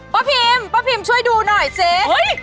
ป๊าพิมช่วยดูหน่อยเซเฮ้ย